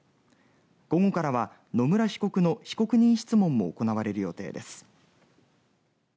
午後からは野村被告の被告人質問も行われる予定です。